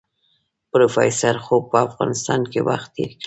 پروفيسر خو په افغانستان کې وخت تېر کړی.